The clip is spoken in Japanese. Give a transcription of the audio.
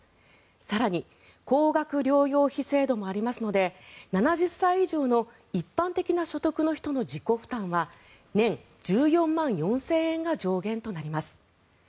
更に、高額療養費制度もありますので７０歳以上の一般的な所得の人の自己負担は年１４万４０００円が上限となります。